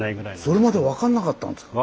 それまで分かんなかったんですか？